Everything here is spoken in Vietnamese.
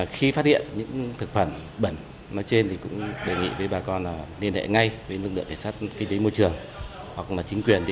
khi phát hiện những thực phẩm bẩn trên đề nghị với bà con liên hệ ngay với lực lượng